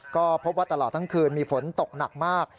ก็พบว่าตลอดทั้งคืนมีฝนตกหนักมาก